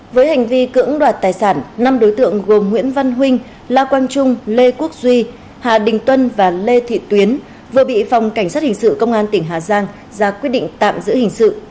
với hành vi cưỡng đoạt tài sản năm đối tượng gồm nguyễn văn huynh la quang trung lê quốc duy hà đình tuân và lê thị tuyến vừa bị phòng cảnh sát hình sự công an tỉnh hà giang ra quyết định tạm giữ hình sự